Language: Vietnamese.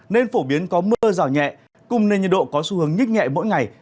nên phổ biến có mưa rào nhẹ cùng nền nhiệt độ có xu hướng nhích nhẹ mỗi ngày